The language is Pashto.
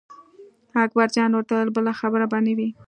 اکبر جان ورته وویل بله خبره به نه وي.